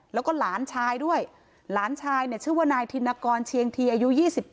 แล้วก็หลานชายด้วยหลานชายเนี่ยชื่อว่านายธินกรเชียงทีอายุ๒๘